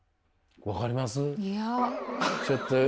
分かります？いや。